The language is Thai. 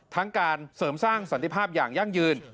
การเสริมสร้างสันติภาพอย่างยั่งยืน